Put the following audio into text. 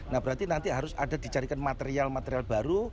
nah berarti nanti harus ada dicarikan material material baru